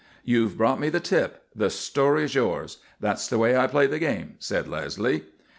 "You've brought me the tip, the story's yours. That's the way I play the game," said Leslie.